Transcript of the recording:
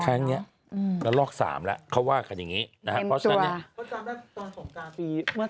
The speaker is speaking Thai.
ครั้งนี้ละลอก๓แล้วเขาว่ากันอย่างนี้